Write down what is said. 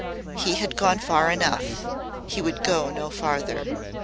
He had gone far enough. He would go no farther.